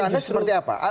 menurut anda seperti apa